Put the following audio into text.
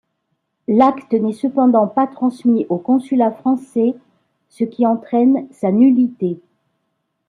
L'acte n'est cependant pas transmis au consulat français, ce qui entraîne sa nullité.